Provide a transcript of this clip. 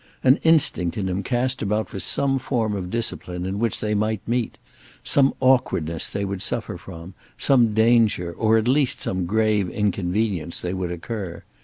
An instinct in him cast about for some form of discipline in which they might meet—some awkwardness they would suffer from, some danger, or at least some grave inconvenience, they would incur.